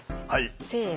せの。